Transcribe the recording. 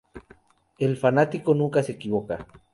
El fanático nunca se equivoca.